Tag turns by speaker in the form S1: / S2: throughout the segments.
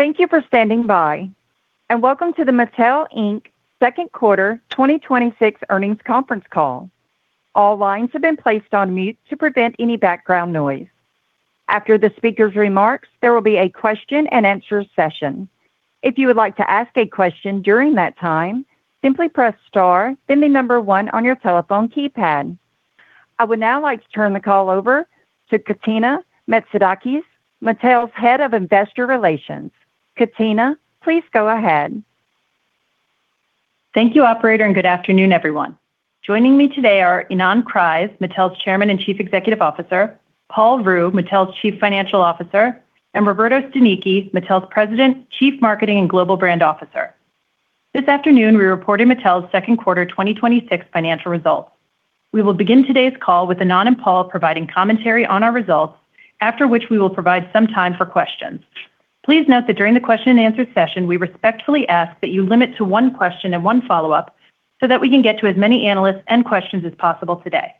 S1: Thank you for standing by, and welcome to the Mattel, Inc. second quarter 2026 earnings conference call. All lines have been placed on mute to prevent any background noise. After the speaker's remarks, there will be a question and answer session. If you would like to ask a question during that time, simply press star then the number one on your telephone keypad. I would now like to turn the call over to Katina Metzidakis, Mattel's Head of Investor Relations. Katina, please go ahead.
S2: Thank you operator, and good afternoon, everyone. Joining me today are Ynon Kreiz, Mattel's Chairman and Chief Executive Officer, Paul Ruh, Mattel's Chief Financial Officer, and Roberto Stanichi, Mattel's President, Chief Marketing and Global Brand Officer. This afternoon, we report Mattel's second quarter 2026 financial results. We will begin today's call with Ynon and Paul providing commentary on our results, after which we will provide some time for questions. Please note that during the question and answer session, we respectfully ask that you limit to one question and one follow-up so that we can get to as many analysts and questions as possible today.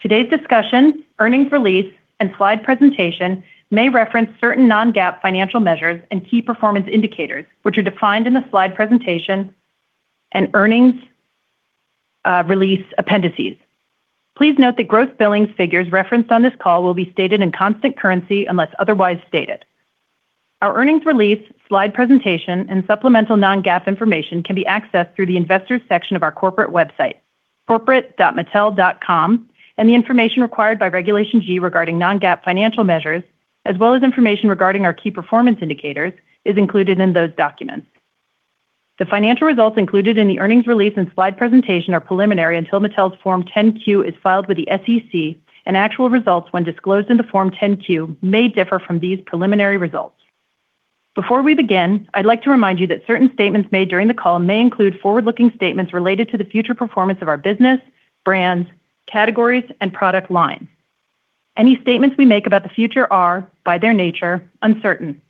S2: Today's discussion, earnings release, and slide presentation may reference certain non-GAAP financial measures and key performance indicators, which are defined in the slide presentation and earnings release appendices. Please note that gross billings figures referenced on this call will be stated in constant currency unless otherwise stated. Our earnings release, slide presentation, and supplemental non-GAAP information can be accessed through the investors section of our corporate website, corporate.mattel.com, and the information required by Regulation G regarding non-GAAP financial measures, as well as information regarding our key performance indicators, is included in those documents. The financial results included in the earnings release and slide presentation are preliminary until Mattel's Form 10-Q is filed with the SEC, and actual results when disclosed in the Form 10-Q may differ from these preliminary results. Before we begin, I'd like to remind you that certain statements made during the call may include forward-looking statements related to the future performance of our business, brands, categories, and product line. Any statements we make about the future are, by their nature, uncertain.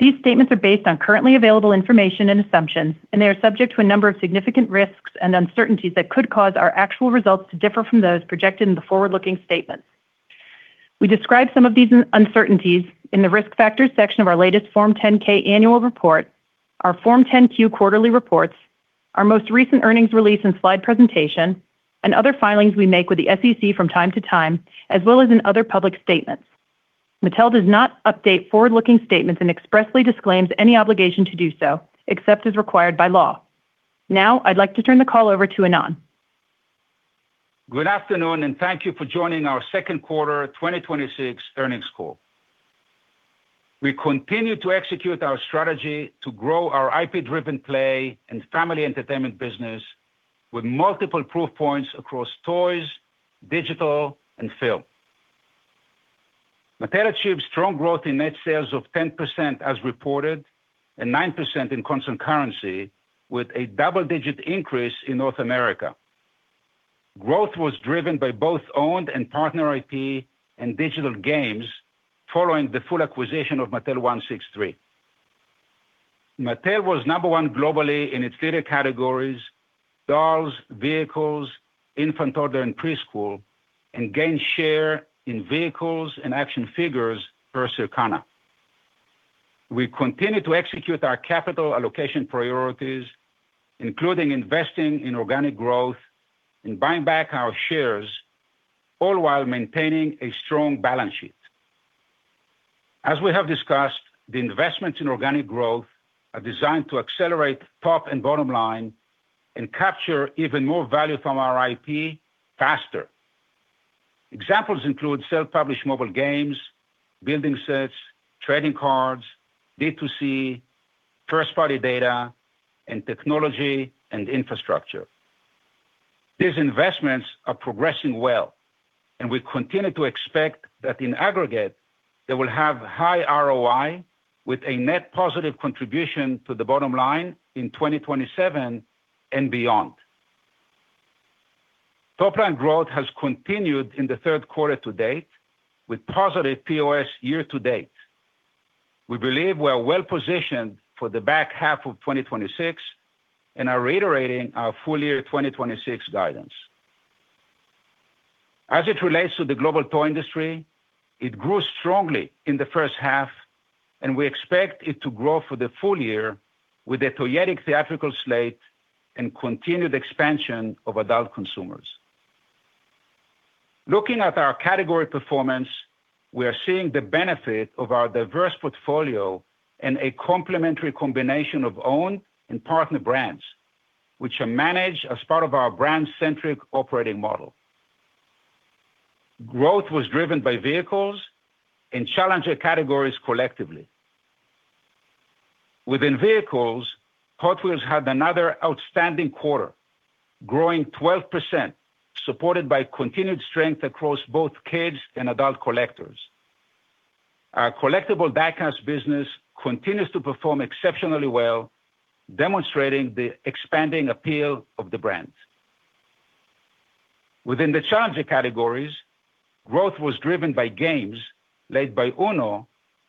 S2: These statements are based on currently available information and assumptions, and they are subject to a number of significant risks and uncertainties that could cause our actual results to differ from those projected in the forward-looking statements. We describe some of these uncertainties in the Risk Factors section of our latest Form 10-K annual report, our Form 10-Q quarterly reports, our most recent earnings release and slide presentation, and other filings we make with the SEC from time to time, as well as in other public statements. Mattel does not update forward-looking statements and expressly disclaims any obligation to do so, except as required by law. Now, I'd like to turn the call over to Ynon.
S3: Good afternoon. Thank you for joining our second quarter 2026 earnings call. We continue to execute our strategy to grow our IP-driven play and family entertainment business with multiple proof points across toys, digital, and film. Mattel achieved strong growth in net sales of 10% as reported and 9% in constant currency with a double-digit increase in North America. Growth was driven by both owned and partner IP and digital games following the full acquisition of Mattel163. Mattel was number one globally in its three categories, dolls, vehicles, Infant, Toddler, and Preschool, and gained share in vehicles and action figures versus Circana. We continue to execute our capital allocation priorities, including investing in organic growth and buying back our shares, all while maintaining a strong balance sheet. As we have discussed, the investments in organic growth are designed to accelerate top and bottom line and capture even more value from our IP faster. Examples include self-published mobile games, building sets, trading cards, D2C, first-party data, and technology and infrastructure. These investments are progressing well, and we continue to expect that in aggregate, they will have high ROI with a net positive contribution to the bottom line in 2027 and beyond. Top line growth has continued in the third quarter to date with positive POS year-to-date. We believe we are well-positioned for the back half of 2026 and are reiterating our full-year 2026 guidance. As it relates to the global toy industry, it grew strongly in the first half and we expect it to grow for the full-year with a toyetic theatrical slate and continued expansion of adult consumers. Looking at our category performance, we are seeing the benefit of our diverse portfolio and a complementary combination of owned and partner brands, which are managed as part of our brand-centric operating model. Growth was driven by vehicles and challenger categories collectively. Within vehicles, Hot Wheels had another outstanding quarter, growing 12%, supported by continued strength across both kids and adult collectors. Our collectible die-cast business continues to perform exceptionally well, demonstrating the expanding appeal of the brand. Within the challenger categories, growth was driven by games led by UNO,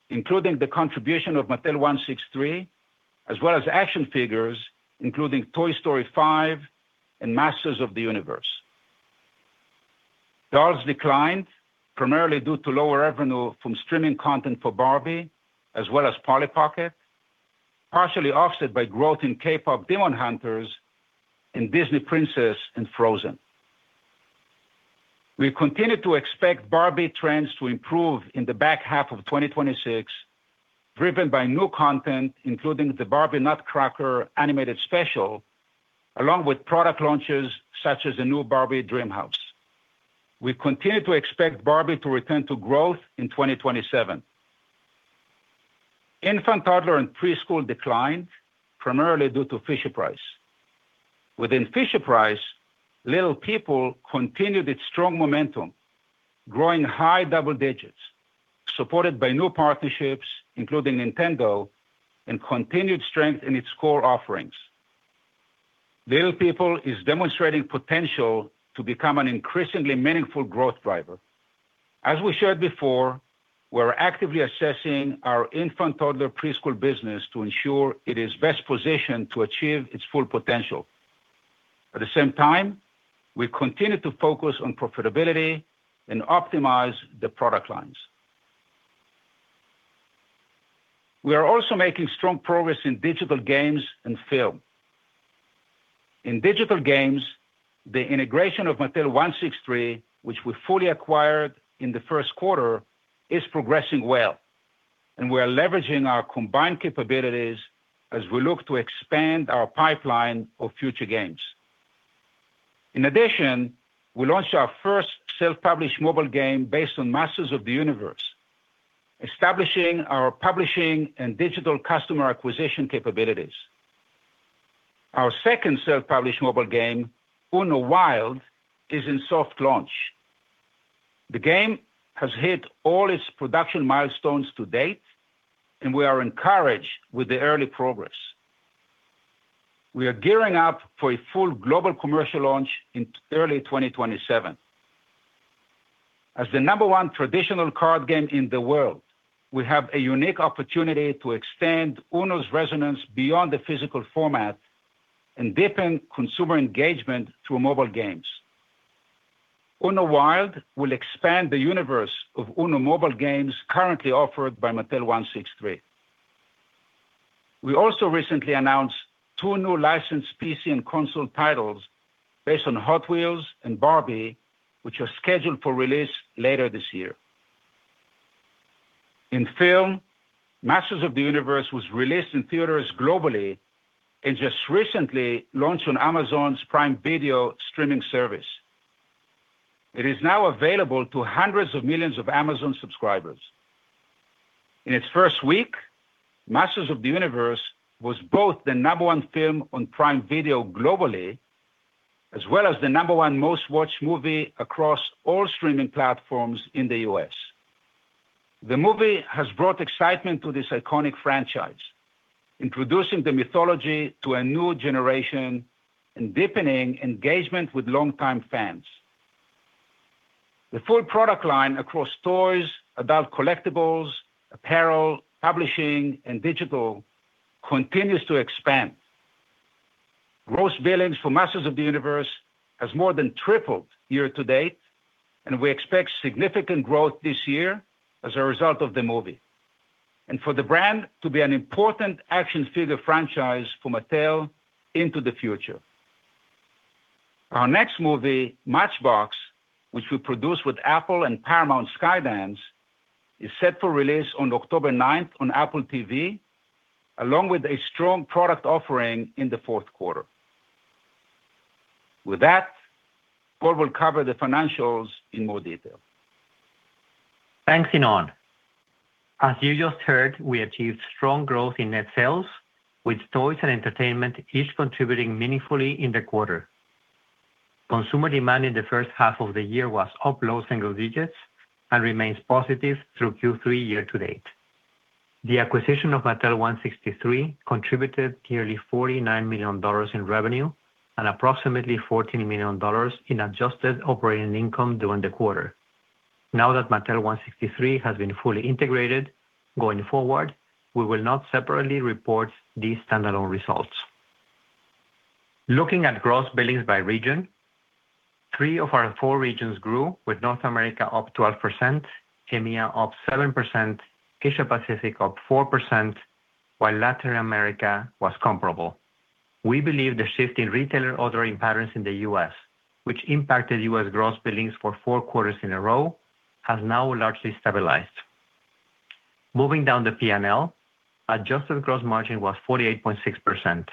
S3: including the contribution of Mattel163, as well as action figures including Toy Story 5 and Masters of the Universe. Dolls declined primarily due to lower revenue from streaming content for Barbie as well as Polly Pocket, partially offset by growth in K-pop Demon Hunters and Disney Princess and Frozen. We continue to expect Barbie trends to improve in the back half of 2026, driven by new content, including the Barbie Nutcracker animated special, along with product launches such as the new Barbie Dreamhouse. We continue to expect Barbie to return to growth in 2027. Infant, Toddler, and Preschool declined primarily due to Fisher-Price. Within Fisher-Price, Little People continued its strong momentum, growing high double digits, supported by new partnerships including Nintendo, and continued strength in its core offerings. Little People is demonstrating potential to become an increasingly meaningful growth driver. As we shared before, we're actively assessing our Infant, Toddler, Preschool business to ensure it is best positioned to achieve its full potential. At the same time, we continue to focus on profitability and optimize the product lines. We are also making strong progress in digital games and film. In digital games, the integration of Mattel163, which we fully acquired in the first quarter, is progressing well, and we are leveraging our combined capabilities as we look to expand our pipeline of future games. In addition, we launched our first self-published mobile game based on Masters of the Universe, establishing our publishing and digital customer acquisition capabilities. Our second self-published mobile game, UNO Wild, is in soft launch. The game has hit all its production milestones to date, and we are encouraged with the early progress. We are gearing up for a full global commercial launch in early 2027. As the number one traditional card game in the world, we have a unique opportunity to extend UNO's resonance beyond the physical format and deepen consumer engagement through mobile games. UNO Wild will expand the universe of UNO mobile games currently offered by Mattel163. We also recently announced two new licensed PC and console titles based on Hot Wheels and Barbie, which are scheduled for release later this year. In film, Masters of the Universe was released in theaters globally and just recently launched on Amazon's Prime Video streaming service. It is now available to hundreds of millions of Amazon subscribers. In its first week, Masters of the Universe was both the number one film on Prime Video globally, as well as the number one most-watched movie across all streaming platforms in the U.S. The movie has brought excitement to this iconic franchise, introducing the mythology to a new generation and deepening engagement with longtime fans. The full product line across toys, adult collectibles, apparel, publishing, and digital continues to expand. Gross billings for Masters of the Universe has more than tripled year to date, and we expect significant growth this year as a result of the movie and for the brand to be an important action figure franchise for Mattel into the future. Our next movie, Matchbox, which we produce with Apple and Paramount Skydance, is set for release on October 9th on Apple TV, along with a strong product offering in the fourth quarter. With that, Paul will cover the financials in more detail.
S4: Thanks, Ynon. As you just heard, we achieved strong growth in net sales with Toys and Entertainment each contributing meaningfully in the quarter. Consumer demand in the first half of the year was up low single digits and remains positive through Q3 year to date. The acquisition of Mattel163 contributed nearly $49 million in revenue and approximately $14 million in adjusted operating income during the quarter. Now that Mattel163 has been fully integrated, going forward, we will not separately report these standalone results. Looking at gross billings by region, three of our four regions grew with North America up 12%, EMEA up 7%, Asia Pacific up 4%, while Latin America was comparable. We believe the shift in retailer ordering patterns in the U.S., which impacted U.S. gross billings for four quarters in a row, has now largely stabilized. Moving down the P&L, adjusted gross margin was 48.6%.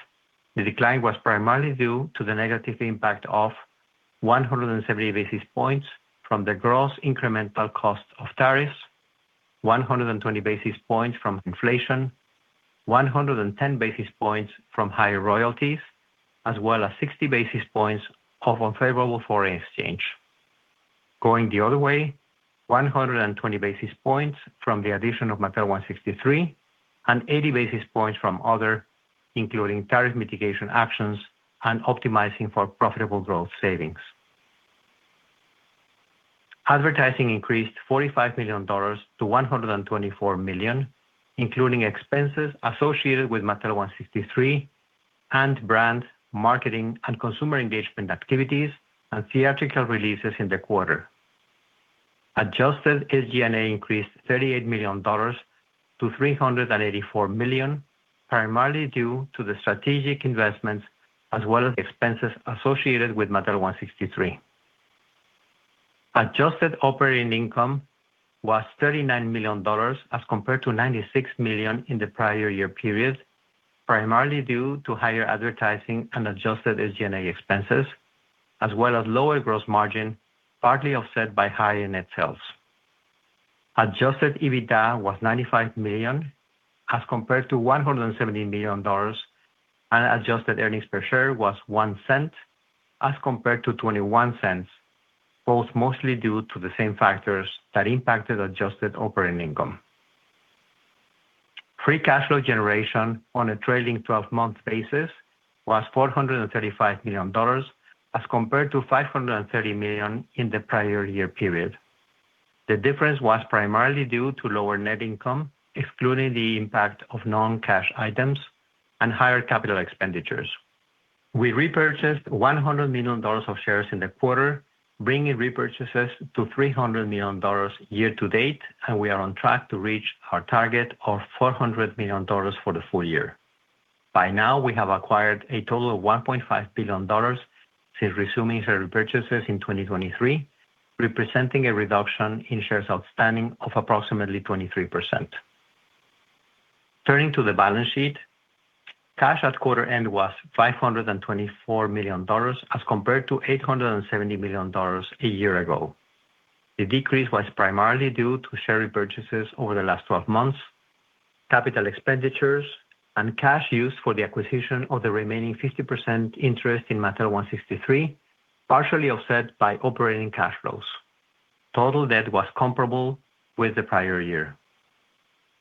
S4: The decline was primarily due to the negative impact of 170 basis points from the gross incremental cost of tariffs, 120 basis points from inflation, 110 basis points from higher royalties, as well as 60 basis points of unfavorable foreign exchange. Going the other way, 120 basis points from the addition of Mattel163 and 80 basis points from other, including tariff mitigation actions and Optimizing for Profitable Growth savings. Advertising increased $45 million-$124 million, including expenses associated with Mattel163. Brand marketing and consumer engagement activities and theatrical releases in the quarter. Adjusted SG&A increased $38 million-$384 million, primarily due to the strategic investments as well as expenses associated with Mattel163. Adjusted operating income was $39 million as compared to $96 million in the prior year period, primarily due to higher advertising and adjusted SG&A expenses, as well as lower gross margin, partly offset by higher net sales. Adjusted EBITDA was $95 million as compared to $117 million, and adjusted earnings per share was $0.01 as compared to $0.21, both mostly due to the same factors that impacted adjusted operating income. Free cash flow generation on a trailing 12-month basis was $435 million as compared to $530 million in the prior year period. The difference was primarily due to lower net income, excluding the impact of non-cash items and higher capital expenditures. We repurchased $100 million of shares in the quarter, bringing repurchases to $300 million year to date, and we are on track to reach our target of $400 million for the full year. By now, we have acquired a total of $1.5 billion since resuming share repurchases in 2023, representing a reduction in shares outstanding of approximately 23%. Turning to the balance sheet, cash at quarter end was $524 million as compared to $870 million a year ago. The decrease was primarily due to share repurchases over the last 12 months, capital expenditures, and cash used for the acquisition of the remaining 50% interest in Mattel163, partially offset by operating cash flows. Total debt was comparable with the prior year.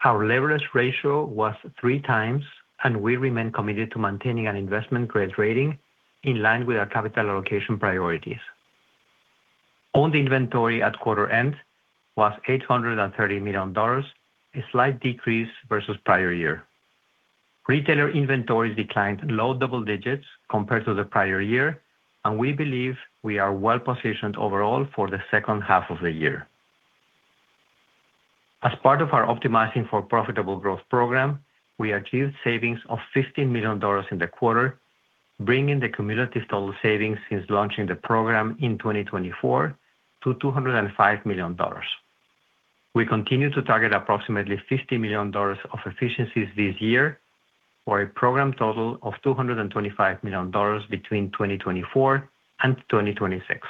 S4: Our leverage ratio was three times, and we remain committed to maintaining an investment-grade rating in line with our capital allocation priorities. Owned inventory at quarter end was $830 million, a slight decrease versus prior year. Retailer inventories declined low double digits compared to the prior year, and we believe we are well positioned overall for the second half of the year. As part of our Optimizing for Profitable Growth program, we achieved savings of $15 million in the quarter, bringing the cumulative total savings since launching the program in 2024 to $205 million. We continue to target approximately $50 million of efficiencies this year for a program total of $225 million between 2024 and 2026.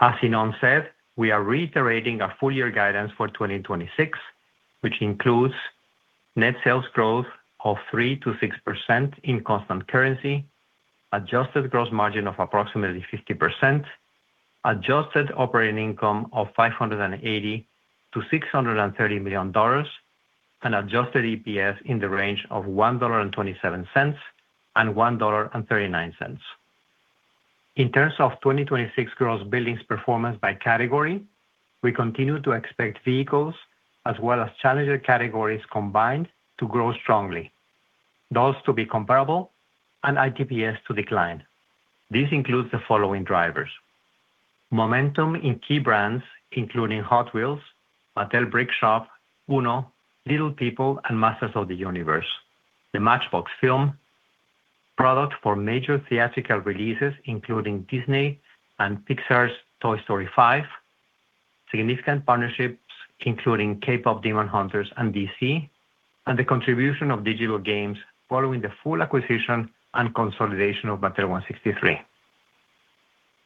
S4: As Ynon Kreiz said, we are reiterating our full year guidance for 2026, which includes net sales growth of 3%-6% in constant currency, adjusted gross margin of approximately 50%, adjusted operating income of $580 million-$630 million, and adjusted EPS in the range of $1.27 and $1.39. In terms of 2026 gross billings performance by category, we continue to expect vehicles as well as challenger categories combined to grow strongly, dolls to be comparable, and ITPS to decline. This includes the following drivers. Momentum in key brands including Hot Wheels, Mattel Brick Shop, UNO, Little People, and Masters of the Universe, the Matchbox film, product for major theatrical releases including Disney and Pixar's Toy Story 5, significant partnerships including K-pop Demon Hunters and DC, and the contribution of digital games following the full acquisition and consolidation of Mattel163.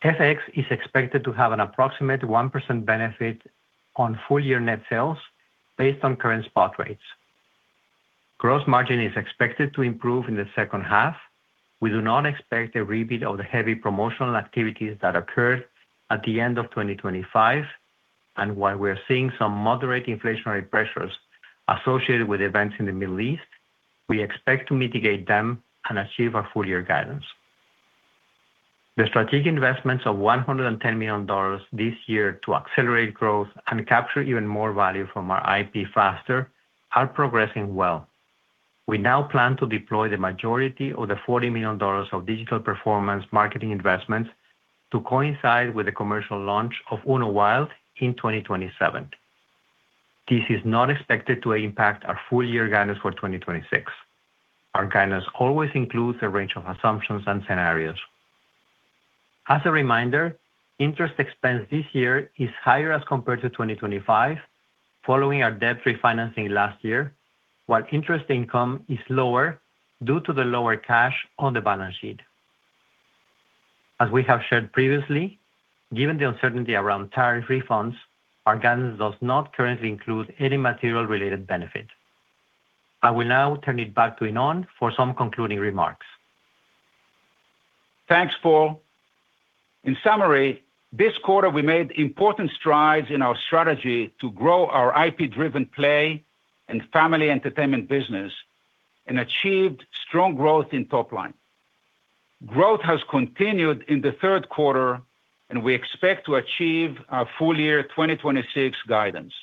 S4: FX is expected to have an approximate 1% benefit on full-year net sales based on current spot rates. Gross margin is expected to improve in the second half. We do not expect a repeat of the heavy promotional activities that occurred at the end of 2025. While we're seeing some moderate inflationary pressures associated with events in the Middle East, we expect to mitigate them and achieve our full-year guidance. The strategic investments of $110 million this year to accelerate growth and capture even more value from our IP faster are progressing well. We now plan to deploy the majority of the $40 million of digital performance marketing investments to coincide with the commercial launch of UNO Wild in 2027. This is not expected to impact our full-year guidance for 2026. Our guidance always includes a range of assumptions and scenarios. As a reminder, interest expense this year is higher as compared to 2025 following our debt refinancing last year, while interest income is lower due to the lower cash on the balance sheet. As we have shared previously, given the uncertainty around tariff refunds, our guidance does not currently include any material-related benefit. I will now turn it back to Ynon for some concluding remarks.
S3: Thanks, Paul. In summary, this quarter, we made important strides in our strategy to grow our IP-driven play and family entertainment business and achieved strong growth in top line. Growth has continued in the third quarter, and we expect to achieve our full year 2026 guidance.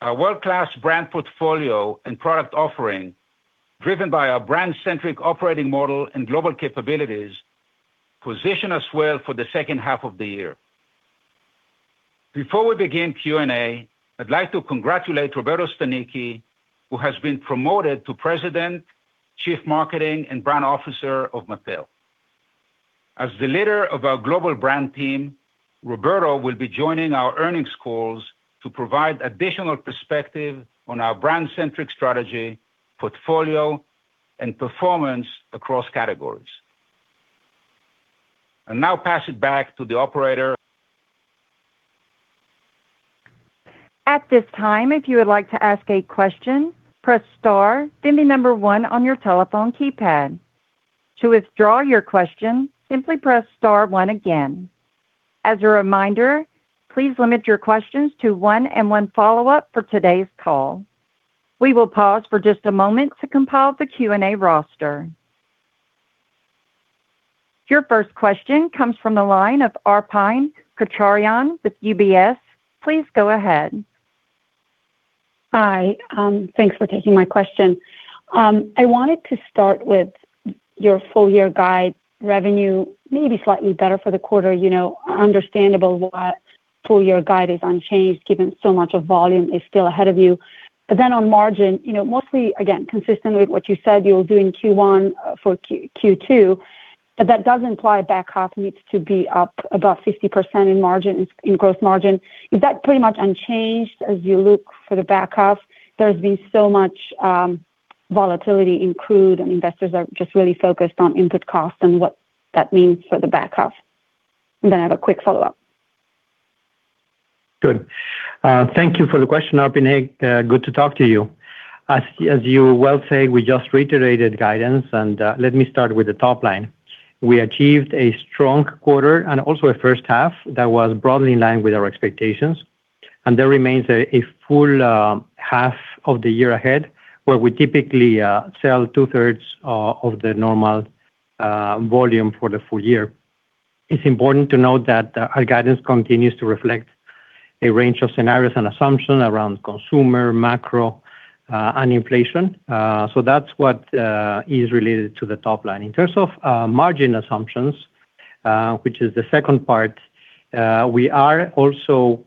S3: Our world-class brand portfolio and product offering, driven by our brand-centric operating model and global capabilities, position us well for the second half of the year. Before we begin Q&A, I'd like to congratulate Roberto Stanichi, who has been promoted to President, Chief Marketing and Brand Officer of Mattel. As the leader of our global brand team, Roberto will be joining our earnings calls to provide additional perspective on our brand-centric strategy, portfolio, and performance across categories. I'll now pass it back to the operator.
S1: At this time, if you would like to ask a question, press star, then the number one on your telephone keypad. To withdraw your question, simply press star one again. As a reminder, please limit your questions to one and one follow-up for today's call. We will pause for just a moment to compile the Q&A roster. Your first question comes from the line of Arpine Kocharyan with UBS. Please go ahead.
S5: Hi. Thanks for taking my question. I wanted to start with your full-year guide revenue, maybe slightly better for the quarter, understandable why full-year guide is unchanged given so much of volume is still ahead of you. On margin, mostly, again, consistent with what you said you were doing Q1 for Q2, but that does imply back half needs to be up about 50% in gross margin. Is that pretty much unchanged as you look for the back half? There's been so much volatility in crude, and investors are just really focused on input costs and what that means for the back half. I have a quick follow-up.
S3: Good. Thank you for the question, Arpine. Good to talk to you. As you well say, we just reiterated guidance, and let me start with the top line. We achieved a strong quarter and also a first half that was broadly in line with our expectations, and there remains a full half of the year ahead, where we typically sell two-thirds of the normal volume for the full year. It's important to note that our guidance continues to reflect a range of scenarios and assumption around consumer, macro, and inflation. That's what is related to the top line. In terms of margin assumptions, which is the second part, we are also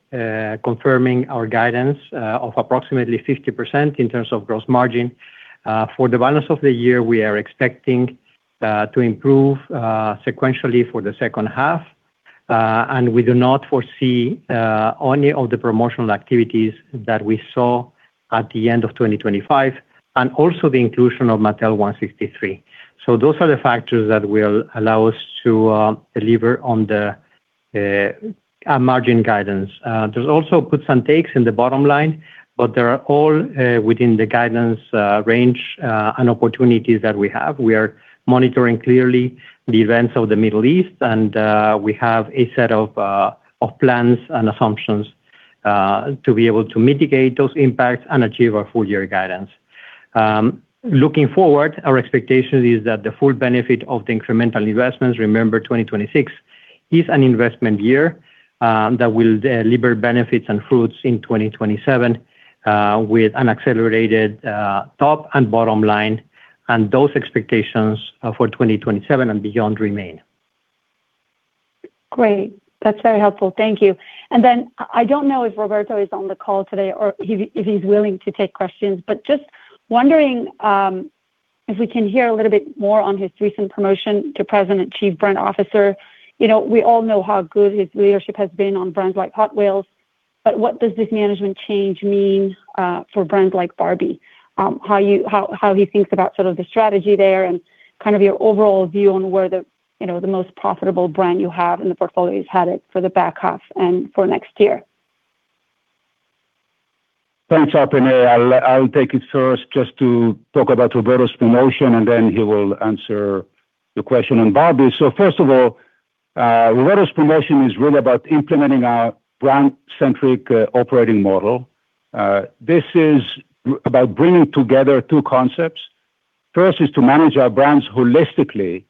S3: confirming our guidance of approximately 50% in terms of gross margin. For the balance of the year, we are expecting to improve sequentially for the second half, and we do not foresee any of the promotional activities that we saw at the end of 2025, and also the inclusion of Mattel163. Those are the factors that will allow us to deliver on the margin guidance. There's also puts and takes in the bottom line. They are all within the guidance range and opportunities that we have. We are monitoring clearly the events of the Middle East, and we have a set of plans and assumptions to be able to mitigate those impacts and achieve our full-year guidance. Looking forward, our expectation is that the full benefit of the incremental investments, remember 2026 is an investment year that will deliver benefits and fruits in 2027, with an accelerated top and bottom line, and those expectations for 2027 and beyond remain.
S5: Great. That's very helpful. Thank you. I don't know if Roberto is on the call today or if he's willing to take questions, but just wondering if we can hear a little bit more on his recent promotion to President Chief Brand Officer. We all know how good his leadership has been on brands like Hot Wheels, but what does this management change mean for brands like Barbie? How he thinks about sort of the strategy there and kind of your overall view on where the most profitable brand you have in the portfolio is headed for the back half and for next year.
S3: Thanks, Arpine. I'll take it first just to talk about Roberto's promotion, and then he will answer the question on Barbie. First of all, Roberto's promotion is really about implementing our brand-centric operating model. This is about bringing together two concepts. First is to manage our brands holistically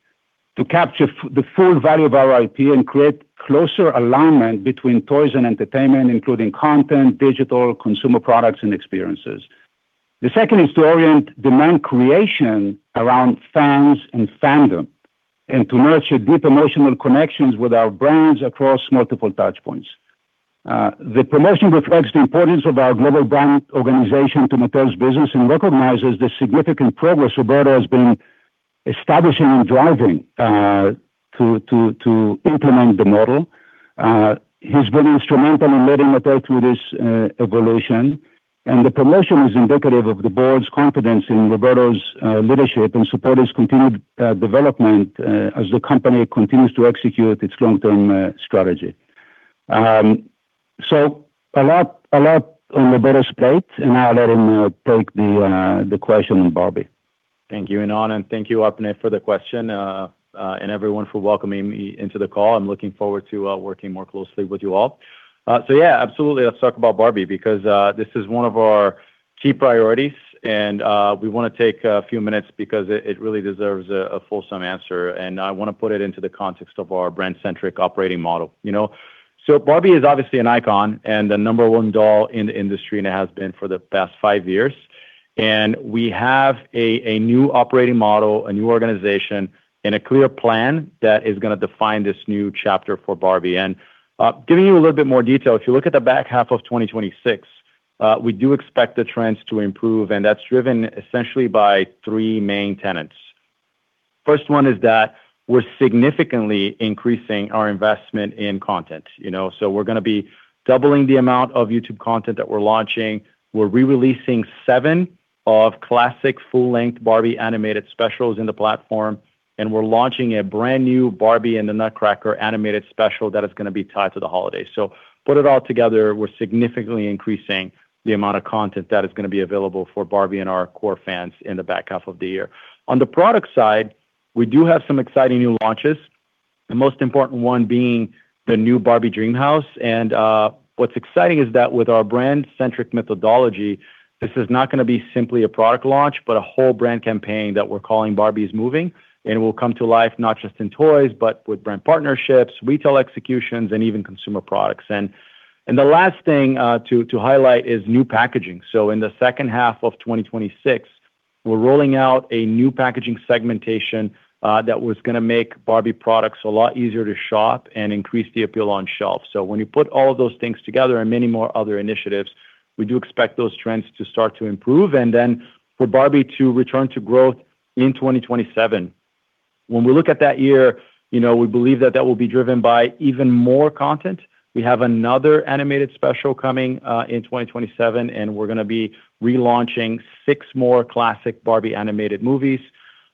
S3: to capture the full value of our IP and create closer alignment between toys and entertainment, including content, digital, consumer products, and experiences. The second is to orient demand creation around fans and fandom and to nurture deep emotional connections with our brands across multiple touch points. The promotion reflects the importance of our global brand organization to Mattel's business and recognizes the significant progress Roberto has been establishing and driving to implement the model. He's been instrumental in leading Mattel through this evolution, and the promotion is indicative of the board's confidence in Roberto's leadership and support his continued development as the company continues to execute its long-term strategy. A lot on Roberto's plate, and I'll let him take the question on Barbie.
S6: Thank you, Ynon, and thank you, Arpine, for the question, and everyone for welcoming me into the call. I'm looking forward to working more closely with you all. Absolutely. Let's talk about Barbie, because this is one of our key priorities, and we want to take a few minutes because it really deserves a fulsome answer, and I want to put it into the context of our brand-centric operating model. Barbie is obviously an icon and the number one doll in the industry, and it has been for the past five years. We have a new operating model, a new organization, and a clear plan that is going to define this new chapter for Barbie. Giving you a little bit more detail, if you look at the back half of 2026, we do expect the trends to improve, and that's driven essentially by three main tenets. First one is that we're significantly increasing our investment in content. We're going to be doubling the amount of YouTube content that we're launching. We're re-releasing seven of classic full-length Barbie animated specials in the platform, and we're launching a brand new Barbie in the Nutcracker animated special that is going to be tied to the holiday. Put it all together, we're significantly increasing the amount of content that is going to be available for Barbie and our core fans in the back half of the year. On the product side, we do have some exciting new launches, the most important one being the new Barbie Dreamhouse. What's exciting is that with our brand-centric methodology, this is not going to be simply a product launch, but a whole brand campaign that we're calling Barbie Is Moving. It will come to life not just in toys, but with brand partnerships, retail executions, and even consumer products. The last thing to highlight is new packaging. In the second half of 2026, we're rolling out a new packaging segmentation that was going to make Barbie products a lot easier to shop and increase the appeal on shelf. When you put all of those things together and many more other initiatives, we do expect those trends to start to improve and then for Barbie to return to growth in 2027. When we look at that year, we believe that that will be driven by even more content. We have another animated special coming in 2027, and we're going to be relaunching six more classic Barbie animated movies.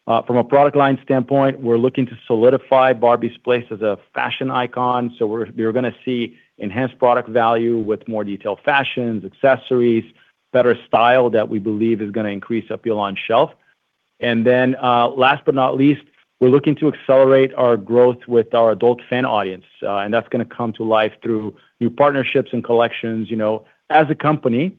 S6: From a product line standpoint, we're looking to solidify Barbie's place as a fashion icon. You're going to see enhanced product value with more detailed fashions, accessories, better style that we believe is going to increase appeal on shelf. Then, last but not least, we're looking to accelerate our growth with our adult fan audience, and that's going to come to life through new partnerships and collections. As a company,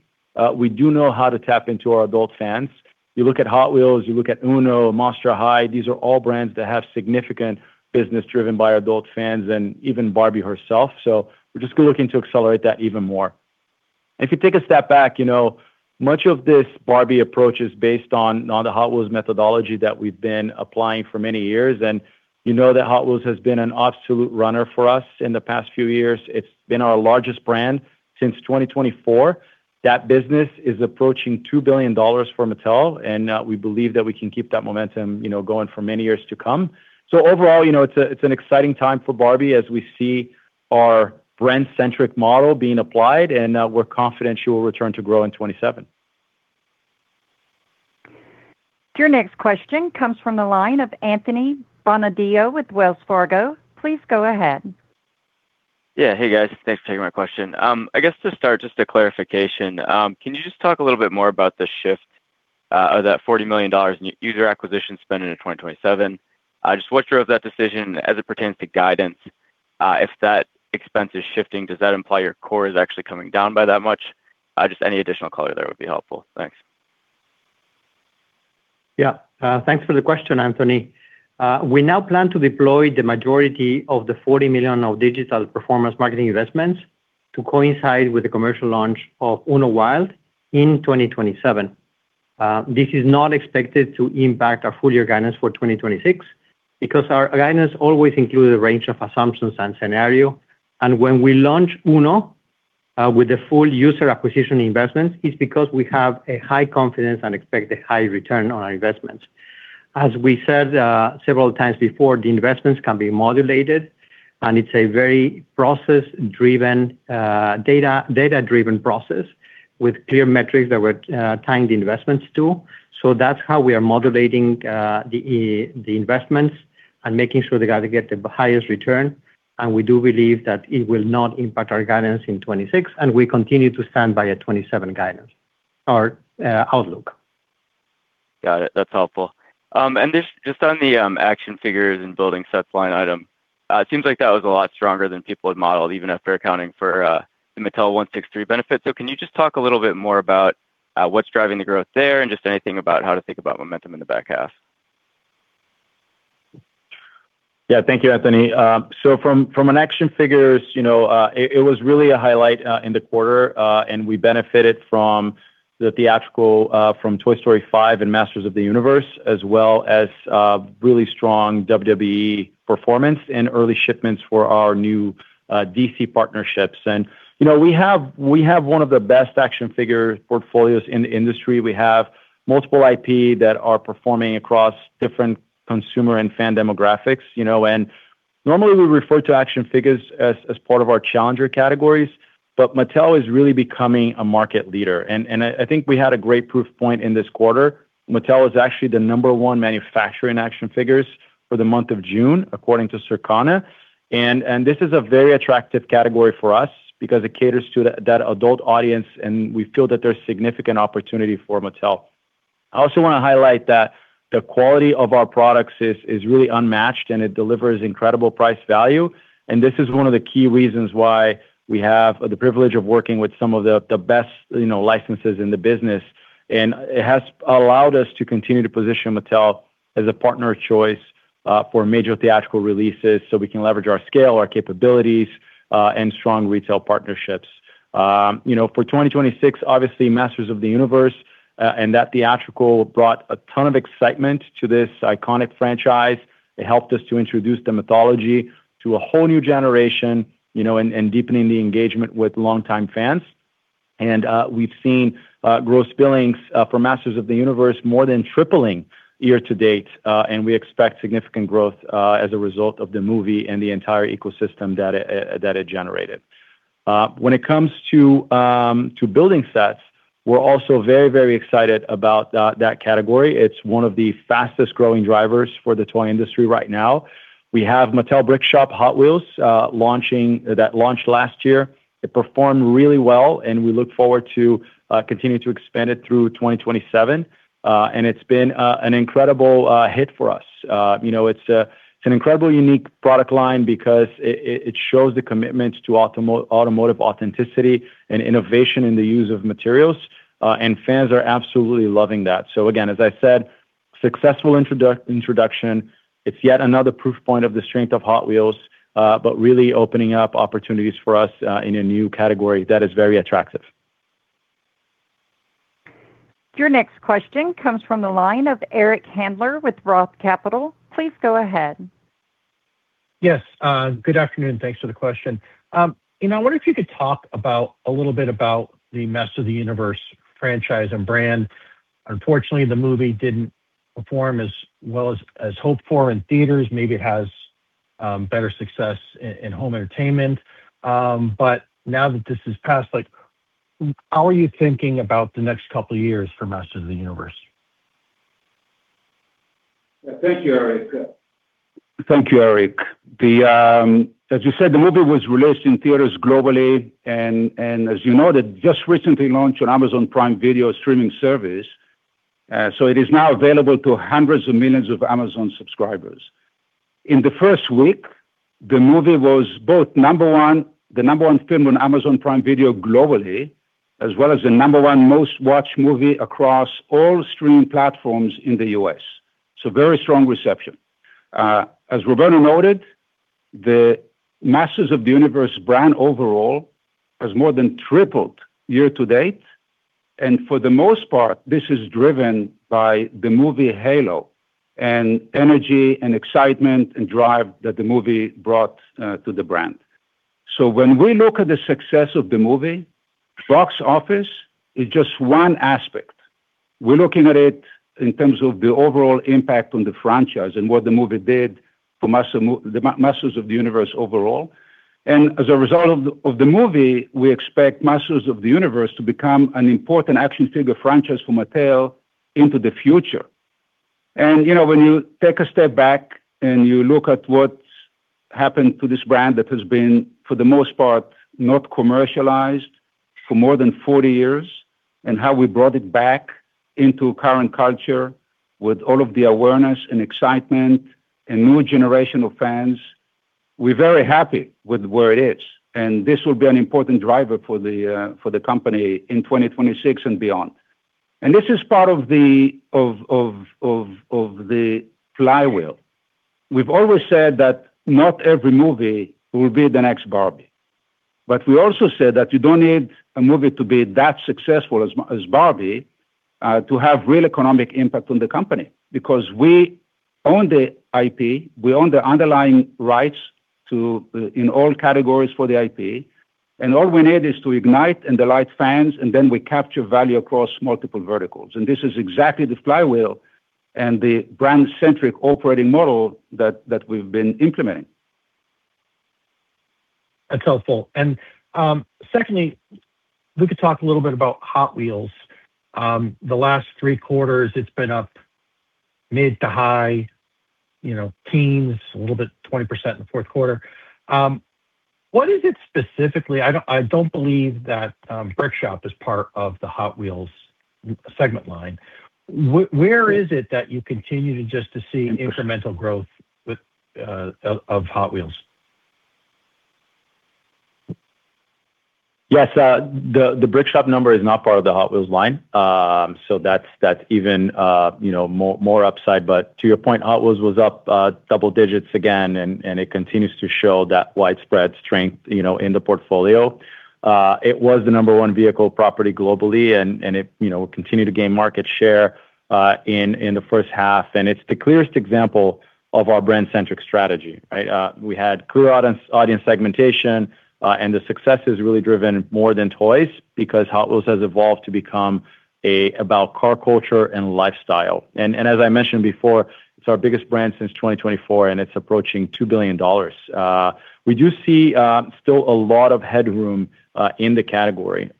S6: we do know how to tap into our adult fans. You look at Hot Wheels, you look at UNO, Monster High, these are all brands that have significant business driven by adult fans and even Barbie herself. We're just looking to accelerate that even more. If you take a step back, much of this Barbie approach is based on the Hot Wheels methodology that we've been applying for many years, and you know that Hot Wheels has been an absolute runner for us in the past few years. It's been our largest brand since 2024. That business is approaching $2 billion for Mattel, and we believe that we can keep that momentum going for many years to come. Overall, it's an exciting time for Barbie as we see our brand-centric model being applied and we're confident she will return to grow in 2027.
S1: Your next question comes from the line of Anthony Bonadio with Wells Fargo. Please go ahead.
S7: Yeah. Hey, guys. Thanks for taking my question. I guess to start, just a clarification. Can you just talk a little bit more about the shift of that $40 million in user acquisition spending in 2027? Just what drove that decision as it pertains to guidance? If that expense is shifting, does that imply your core is actually coming down by that much? Just any additional color there would be helpful. Thanks.
S4: Yeah. Thanks for the question, Anthony. We now plan to deploy the majority of the $40 million of digital performance marketing investments to coincide with the commercial launch of UNO Wild in 2027. This is not expected to impact our full year guidance for 2026 because our guidance always includes a range of assumptions and scenario. When we launch UNO, with the full user acquisition investment, it's because we have a high confidence and expect a high return on our investments. As we said several times before, the investments can be modulated, and it's a very data-driven process with clear metrics that we're tying the investments to. That's how we are modulating the investments and making sure that they get the highest return. We do believe that it will not impact our guidance in 2026, and we continue to stand by our 2027 guidance or outlook.
S7: Got it. That's helpful. Just on the action figures and building sets line item, it seems like that was a lot stronger than people had modeled, even after accounting for the Mattel163 benefit. Can you just talk a little bit more about what's driving the growth there and just anything about how to think about momentum in the back half?
S6: Thank you, Anthony. From an action figures, it was really a highlight in the quarter, and we benefited from the theatrical from Toy Story 5 and Masters of the Universe, as well as really strong WWE performance and early shipments for our new DC partnerships. We have one of the best action figure portfolios in the industry. We have multiple IP that are performing across different consumer and fan demographics. Normally we refer to action figures as part of our challenger categories, but Mattel is really becoming a market leader, and I think we had a great proof point in this quarter. Mattel is actually the number one manufacturer in action figures for the month of June, according to Circana. This is a very attractive category for us because it caters to that adult audience, and we feel that there's significant opportunity for Mattel. I also want to highlight that the quality of our products is really unmatched, and it delivers incredible price value. This is one of the key reasons why we have the privilege of working with some of the best licenses in the business. It has allowed us to continue to position Mattel as a partner of choice for major theatrical releases, so we can leverage our scale, our capabilities, and strong retail partnerships. For 2026, obviously, Masters of the Universe, and that theatrical brought a ton of excitement to this iconic franchise. It helped us to introduce the mythology to a whole new generation and deepening the engagement with longtime fans. We've seen gross billings for Masters of the Universe more than tripling year-to-date. We expect significant growth as a result of the movie and the entire ecosystem that it generated. When it comes to building sets, we're also very excited about that category. It's one of the fastest-growing drivers for the toy industry right now. We have Mattel Brick Shop Hot Wheels that launched last year. It performed really well, and we look forward to continue to expand it through 2027. It's been an incredible hit for us. It's an incredibly unique product line because it shows the commitment to automotive authenticity and innovation in the use of materials, and fans are absolutely loving that. Again, as I said, successful introduction. It's yet another proof point of the strength of Hot Wheels, but really opening up opportunities for us in a new category that is very attractive.
S1: Your next question comes from the line of Eric Handler with Roth Capital. Please go ahead.
S8: Good afternoon. Thanks for the question. I wonder if you could talk a little bit about the Masters of the Universe franchise and brand. Unfortunately, the movie didn't perform as well as hoped for in theaters. Maybe it has better success in home entertainment. Now that this has passed, how are you thinking about the next couple of years for Masters of the Universe?
S6: Thank you, Eric. As you said, the movie was released in theaters globally, that just recently launched on Amazon Prime Video streaming service. It is now available to hundreds of millions of Amazon subscribers. In the first week, the movie was both the number one film on Amazon Prime Video globally, as well as the number one most-watched movie across all streaming platforms in the U.S. Very strong reception. As Roberto noted, the Masters of the Universe brand overall has more than tripled year to date, and for the most part, this is driven by the movie halo and energy and excitement and drive that the movie brought to the brand. When we look at the success of the movie, box office is just one aspect. We're looking at it in terms of the overall impact on the franchise and what the movie did for the Masters of the Universe overall. As a result of the movie, we expect Masters of the Universe to become an important action figure franchise for Mattel into the future. When you take a step back and you look at what's happened to this brand that has been, for the most part, not commercialized for more than 40 years, and how we brought it back into current culture with all of the awareness and excitement and new generation of fans, we're very happy with where it is, and this will be an important driver for the company in 2026 and beyond. This is part of the flywheel. We've always said that not every movie will be the next Barbie, we also said that you don't need a movie to be that successful as Barbie to have real economic impact on the company, because we own the IP, we own the underlying rights in all categories for the IP, all we need is to ignite and delight fans, we capture value across multiple verticals. This is exactly the flywheel and the brand-centric operating model that we've been implementing.
S8: That's helpful. Secondly, if we could talk a little bit about Hot Wheels. The last three quarters, it's been up mid to high teens, a little bit, 20% in the fourth quarter. What is it specifically? I don't believe that Brick Shop is part of the Hot Wheels segment line. Where is it that you continue to just see incremental growth of Hot Wheels?
S6: Yes. The Brick Shop number is not part of the Hot Wheels line. That's even more upside. To your point, Hot Wheels was up double digits again, and it continues to show that widespread strength in the portfolio. It was the number 1 vehicle property globally, and it will continue to gain market share in the first half. It's the clearest example of our brand-centric strategy, right? We had clear audience segmentation, and the success is really driven more than toys because Hot Wheels has evolved to become about car culture and lifestyle. As I mentioned before, it's our biggest brand since 2024, and it's approaching $2 billion. We do see still a lot of headroom in the category.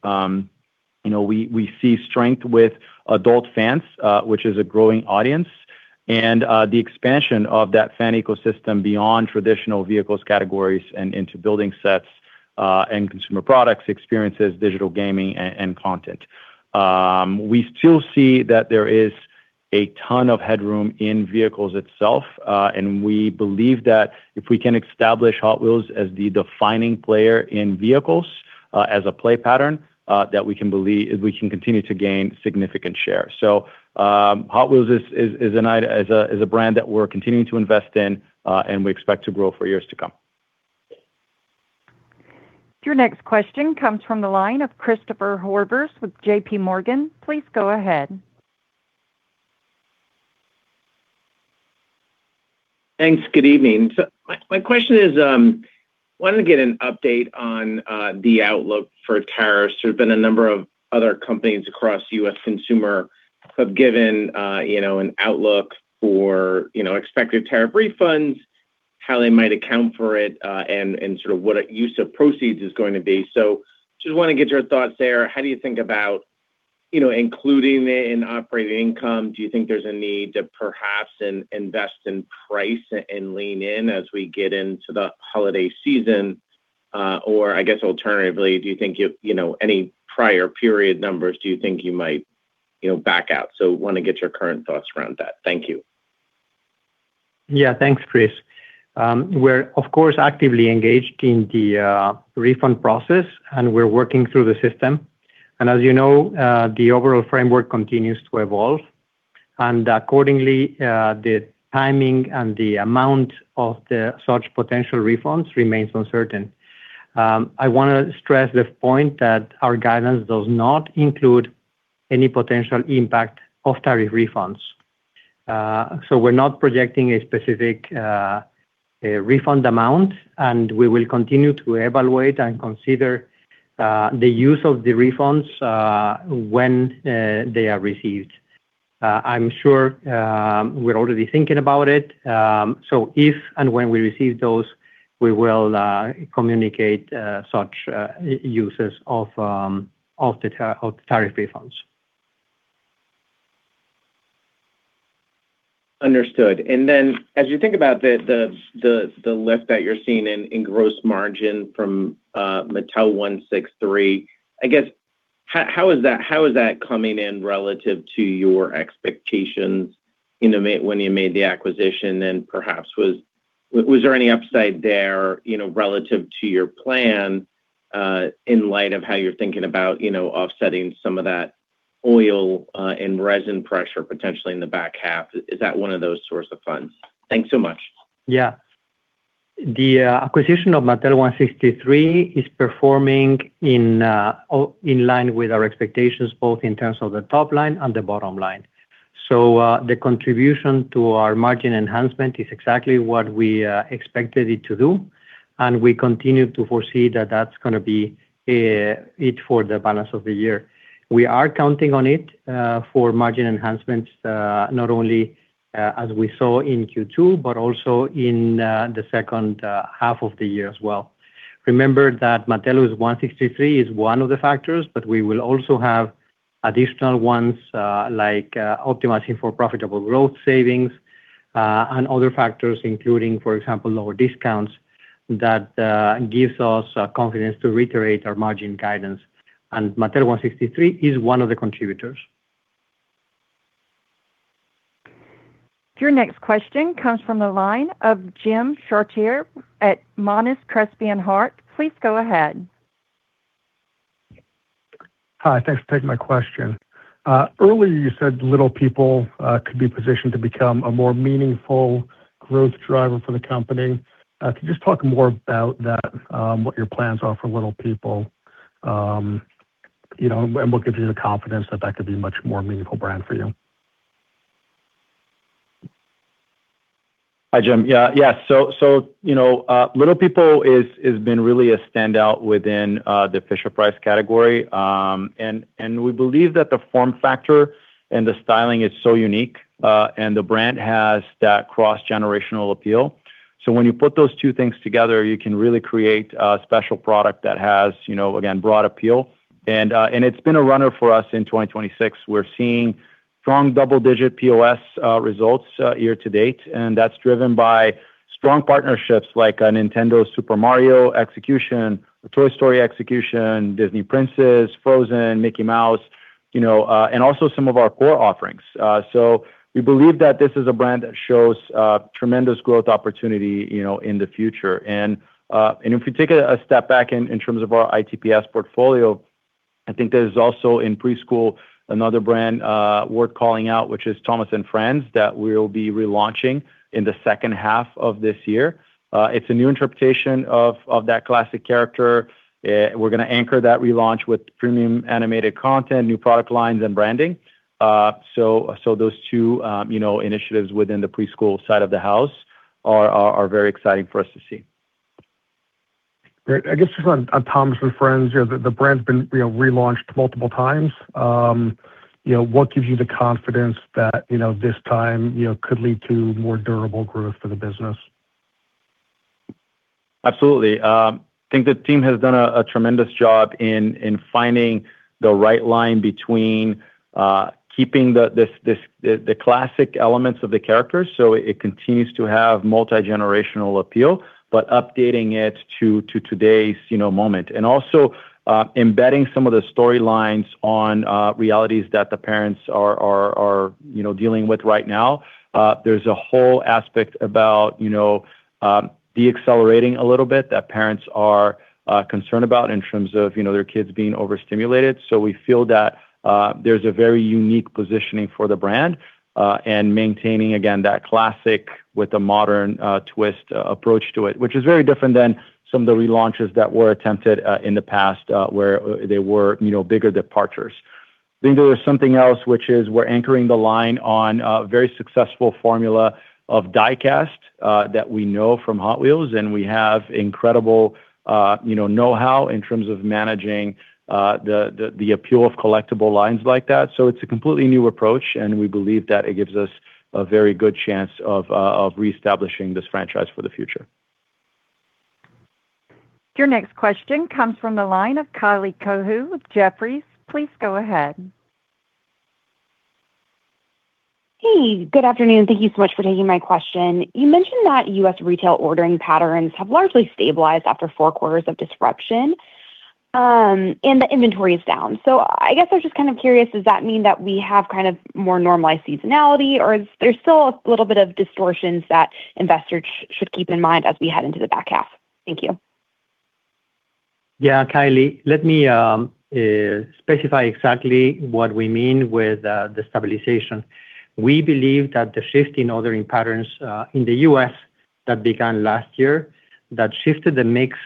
S6: We see strength with adult fans, which is a growing audience The expansion of that fan ecosystem beyond traditional vehicles categories and into building sets and consumer products, experiences, digital gaming, and content. We still see that there is a ton of headroom in vehicles itself. We believe that if we can establish Hot Wheels as the defining player in vehicles as a play pattern, that we can continue to gain significant share. Hot Wheels is a brand that we're continuing to invest in, and we expect to grow for years to come.
S1: Your next question comes from the line of Christopher Horvers with JPMorgan. Please go ahead.
S9: Thanks. Good evening. My question is, I wanted to get an update on the outlook for tariffs. There have been a number of other companies across U.S. consumer have given an outlook for expected tariff refunds, how they might account for it, and sort of what use of proceeds is going to be. I just want to get your thoughts there. How do you think about including it in operating income? Do you think there's a need to perhaps invest in price and lean in as we get into the holiday season? I guess alternatively, any prior period numbers do you think you might back out? I want to get your current thoughts around that. Thank you.
S4: Yeah. Thanks, Chris. We're of course actively engaged in the refund process and we're working through the system. As you know, the overall framework continues to evolve, and accordingly, the timing and the amount of such potential refunds remains uncertain. I want to stress the point that our guidance does not include any potential impact of tariff refunds. We're not projecting a specific refund amount, and we will continue to evaluate and consider the use of the refunds when they are received. I'm sure we're already thinking about it. If and when we receive those, we will communicate such uses of the tariff refunds.
S9: Understood. As you think about the lift that you're seeing in gross margin from Mattel163, I guess how is that coming in relative to your expectations when you made the acquisition? Perhaps was there any upside there relative to your plan in light of how you're thinking about offsetting some of that oil and resin pressure potentially in the back half? Is that one of those source of funds? Thanks so much.
S4: Yeah. The acquisition of Mattel163 is performing in line with our expectations, both in terms of the top line and the bottom line. The contribution to our margin enhancement is exactly what we expected it to do, and we continue to foresee that that's going to be it for the balance of the year. We are counting on it for margin enhancements, not only as we saw in Q2, but also in the second half of the year as well. Remember that Mattel163 is one of the factors, but we will also have additional ones like Optimizing for Profitable Growth savings, and other factors including, for example, lower discounts that gives us confidence to reiterate our margin guidance. Mattel163 is one of the contributors.
S1: Your next question comes from the line of Jim Chartier at Monness, Crespi, Hardt. Please go ahead.
S10: Hi. Thanks for taking my question. Earlier you said Little People could be positioned to become a more meaningful growth driver for the company. Could you just talk more about that, what your plans are for Little People, and what gives you the confidence that that could be much more meaningful brand for you?
S6: Hi, Jim. Yeah. Little People has been really a standout within the Fisher-Price category. We believe that the form factor and the styling is so unique, the brand has that cross-generational appeal. When you put those two things together, you can really create a special product that has, again, broad appeal. It's been a runner for us in 2026. We're seeing strong double-digit POS results year to date, that's driven by strong partnerships like a Nintendo Super Mario execution, a Toy Story execution, Disney Princess, Frozen, Mickey Mouse, and also some of our core offerings. We believe that this is a brand that shows tremendous growth opportunity in the future. If you take a step back in terms of our ITPS portfolio, I think there's also in preschool another brand worth calling out, which is Thomas & Friends, that we'll be relaunching in the second half of this year. It's a new interpretation of that classic character. We're going to anchor that relaunch with premium animated content, new product lines, and branding. Those two initiatives within the preschool side of the house are very exciting for us to see.
S10: Great. I guess just on Thomas & Friends, the brand's been relaunched multiple times. What gives you the confidence that this time could lead to more durable growth for the business?
S6: Absolutely. I think the team has done a tremendous job in finding the right line between keeping the classic elements of the characters, so it continues to have multigenerational appeal, but updating it to today's moment. Also embedding some of the storylines on realities that the parents are dealing with right now. There's a whole aspect about de-accelerating a little bit that parents are concerned about in terms of their kids being overstimulated. We feel that there's a very unique positioning for the brand, and maintaining, again, that classic with a modern twist approach to it, which is very different than some of the relaunches that were attempted in the past, where they were bigger departures. I think there was something else, which is we're anchoring the line on a very successful formula of die-cast that we know from Hot Wheels, and we have incredible knowhow in terms of managing the appeal of collectible lines like that. It's a completely new approach, and we believe that it gives us a very good chance of reestablishing this franchise for the future.
S1: Your next question comes from the line of Kylie Cohu with Jefferies. Please go ahead.
S11: Hey. Good afternoon. Thank you so much for taking my question. You mentioned that U.S. retail ordering patterns have largely stabilized after four quarters of disruption, and the inventory is down. I guess I'm just kind of curious, does that mean that we have kind of more normalized seasonality, or is there still a little bit of distortions that investors should keep in mind as we head into the back half? Thank you.
S4: Yeah, Kylie. Let me specify exactly what we mean with the stabilization. We believe that the shift in ordering patterns in the U.S. that began last year, that shifted the mix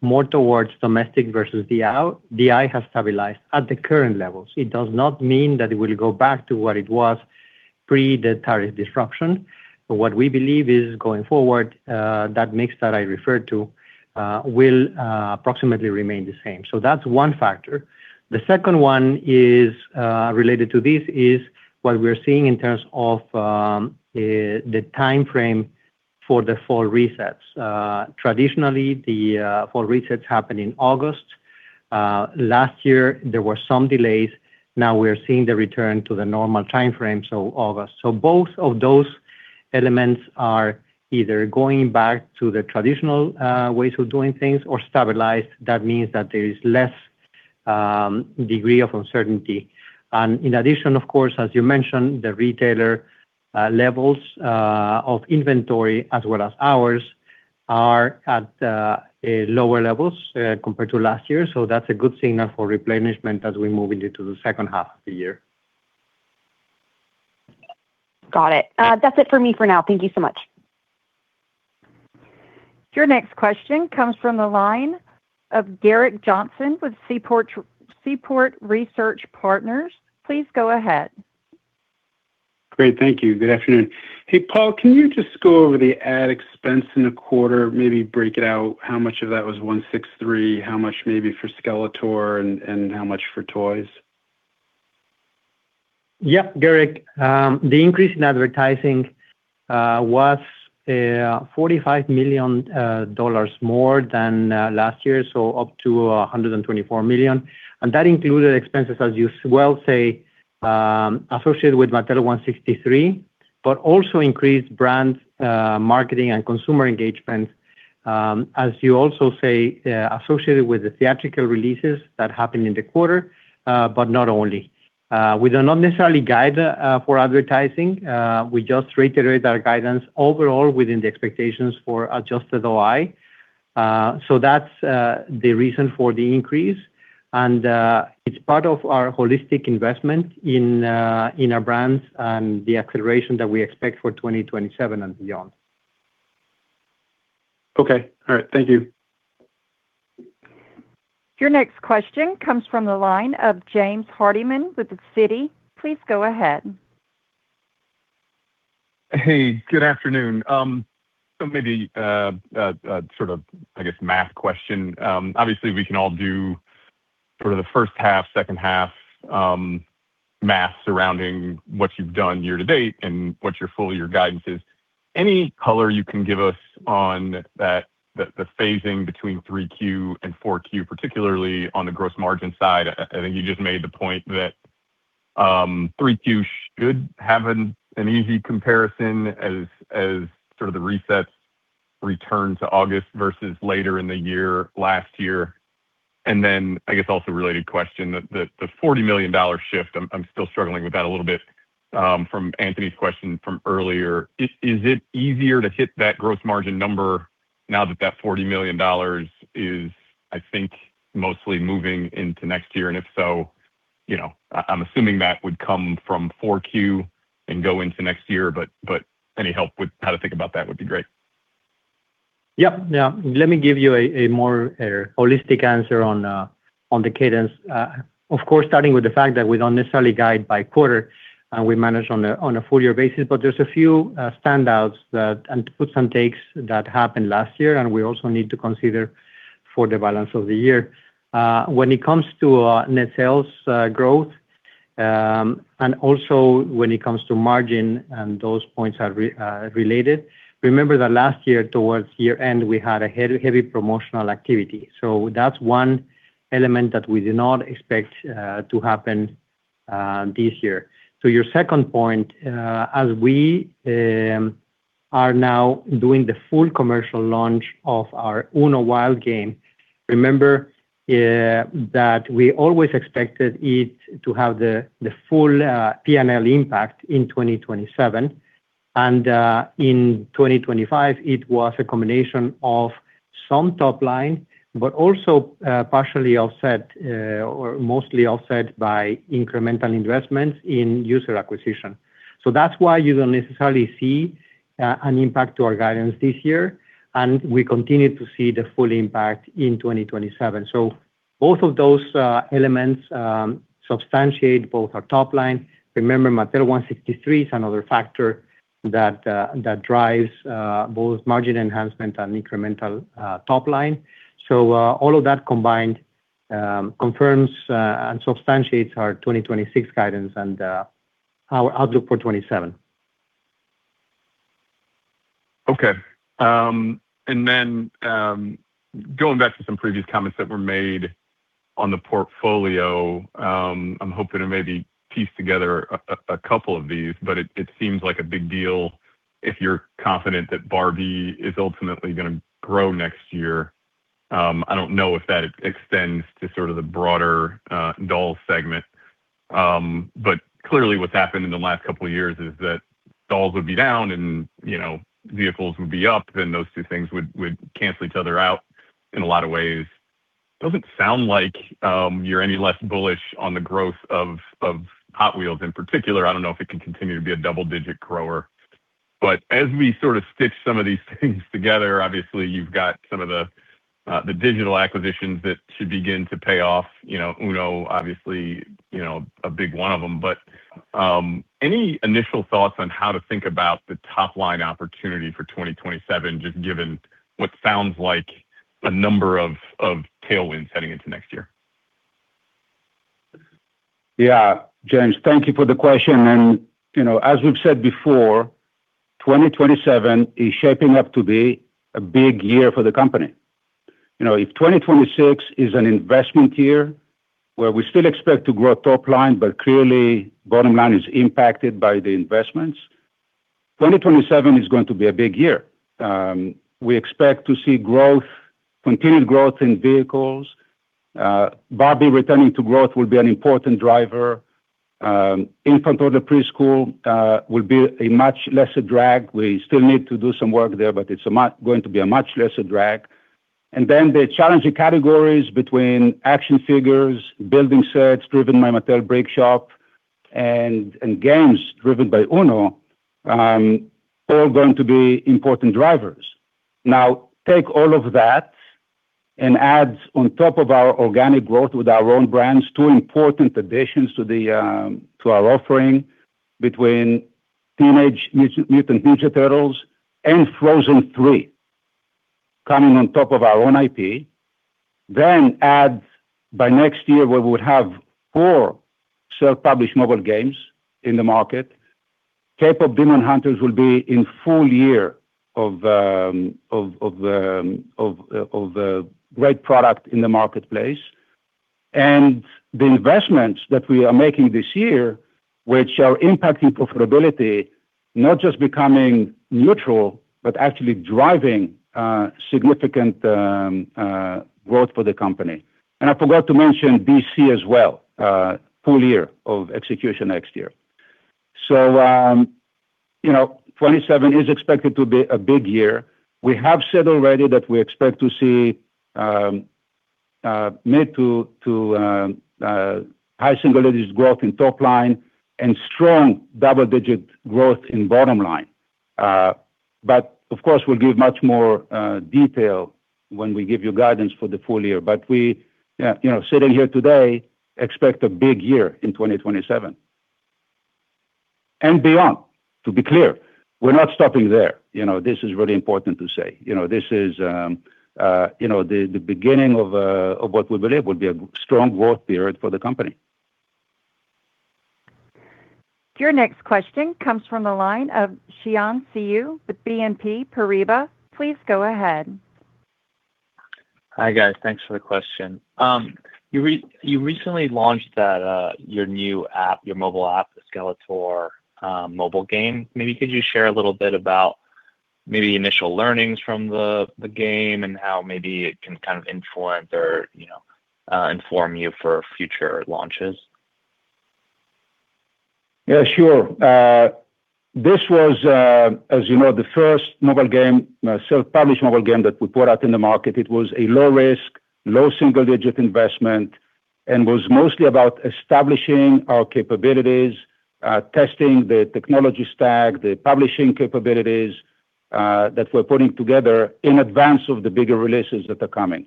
S4: more towards domestic versus DI, has stabilized at the current levels. It does not mean that it will go back to what it was pre the tariff disruption. What we believe is, going forward, that mix that I referred to will approximately remain the same. That's one factor. The second one related to this is what we're seeing in terms of the timeframe for the fall resets. Traditionally, the fall resets happen in August. Last year, there were some delays. Now we're seeing the return to the normal timeframe, August. Both of those elements are either going back to the traditional ways of doing things or stabilized. That means that there is less degree of uncertainty. In addition, of course, as you mentioned, the retailer levels of inventory as well as ours are at lower levels compared to last year. That's a good signal for replenishment as we move into the second half of the year.
S11: Got it. That's it for me for now. Thank you so much.
S1: Your next question comes from the line of Gerrick Johnson with Seaport Research Partners. Please go ahead.
S12: Great, thank you. Good afternoon. Hey, Paul, can you just go over the ad expense in the quarter, maybe break it out, how much of that was 163, how much maybe for Skeletor and how much for toys?
S4: Yeah, Gerrick. The increase in advertising was $45 million more than last year, so up to $124 million. That included expenses, as you well say, associated with Mattel163, but also increased brands, marketing, and consumer engagement, as you also say, associated with the theatrical releases that happened in the quarter but not only. We do not necessarily guide for advertising. We just reiterate our guidance overall within the expectations for adjusted OI. That's the reason for the increase, and it's part of our holistic investment in our brands and the acceleration that we expect for 2027 and beyond.
S12: Okay, all right. Thank you.
S1: Your next question comes from the line of James Hardiman with Citi. Please go ahead.
S13: Hey, good afternoon. Maybe a sort of, I guess, math question. Obviously, we can all do sort of the first half, second half math surrounding what you've done year to date and what your full-year guidance is. Any color you can give us on the phasing between 3Q and 4Q, particularly on the gross margin side? I think you just made the point that 3Q should have an easy comparison as sort of the resets return to August versus later in the year, last year. Then I guess also related question, the $40 million shift, I'm still struggling with that a little bit, from Anthony's question from earlier. Is it easier to hit that gross margin number now that that $40 million is, I think, mostly moving into next year? If so, I'm assuming that would come from 4Q and go into next year. Any help with how to think about that would be great.
S4: Yeah. Let me give you a more holistic answer on the cadence. Of course, starting with the fact that we don't necessarily guide by quarter. We manage on a full year basis. There's a few standouts that, and puts and takes that happened last year. We also need to consider for the balance of the year. When it comes to net sales growth. When it comes to margin, those points are related, remember that last year towards year-end, we had a heavy promotional activity. That's one element that we do not expect to happen this year. To your second point, as we are now doing the full commercial launch of our UNO Wild game, remember that we always expected it to have the full P&L impact in 2027, in 2025 it was a combination of some top line, but also partially offset or mostly offset by incremental investments in user acquisition. That's why you don't necessarily see an impact to our guidance this year. We continue to see the full impact in 2027. Both of those elements substantiate both our top line. Remember, Mattel163 is another factor that drives both margin enhancement and incremental top line. All of that combined confirms and substantiates our 2026 guidance and our outlook for 2027.
S13: Okay. Going back to some previous comments that were made on the portfolio, I'm hoping to maybe piece together a couple of these. It seems like a big deal if you're confident that Barbie is ultimately going to grow next year. I don't know if that extends to sort of the broader dolls segment. Clearly what's happened in the last couple of years is that dolls would be down and vehicles would be up, then those two things would cancel each other out in a lot of ways. It doesn't sound like you're any less bullish on the growth of Hot Wheels in particular. I don't know if it can continue to be a double-digit grower. As we sort of stitch some of these things together, obviously you've got some of the digital acquisitions that should begin to pay off. UNO obviously a big one of them. Any initial thoughts on how to think about the top-line opportunity for 2027, just given what sounds like a number of tailwinds heading into next year?
S3: James, thank you for the question. As we've said before, 2027 is shaping up to be a big year for the company. If 2026 is an investment year where we still expect to grow top line, but clearly bottom line is impacted by the investments, 2027 is going to be a big year. We expect to see continued growth in vehicles. Barbie returning to growth will be an important driver. Infant or the preschool will be a much lesser drag. We still need to do some work there, but it's going to be a much lesser drag. The challenging categories between action figures, building sets driven by Mattel Brick Shop and games driven by UNO, all going to be important drivers. Take all of that and add on top of our organic growth with our own brands, two important additions to our offering between Teenage Mutant Ninja Turtles and Frozen 3 coming on top of our own IP. Add by next year we would have four self-published mobile games in the market. K-pop Demon Hunters will be in full year of the great product in the marketplace. The investments that we are making this year, which are impacting profitability, not just becoming neutral, but actually driving significant growth for the company. I forgot to mention DC as well, full year of execution next year. 2027 is expected to be a big year. We have said already that we expect to see mid to high single-digit growth in top line and strong double-digit growth in bottom line. Of course, we'll give much more detail when we give you guidance for the full year. We, sitting here today, expect a big year in 2027 and beyond. To be clear, we're not stopping there. This is really important to say. This is the beginning of what we believe will be a strong growth period for the company.
S1: Your next question comes from the line of Xian Siew with BNP Paribas. Please go ahead.
S14: Hi, guys. Thanks for the question. You recently launched your new app, your mobile app, the Skeletor mobile game. Could you share a little bit about maybe initial learnings from the game and how maybe it can kind of influence or inform you for future launches?
S3: Yeah, sure. This was, as you know, the first mobile game, self-published mobile game that we put out in the market. It was a low risk, low single-digit investment, was mostly about establishing our capabilities, testing the technology stack, the publishing capabilities that we're putting together in advance of the bigger releases that are coming.